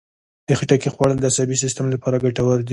د خټکي خوړل د عصبي سیستم لپاره ګټور دي.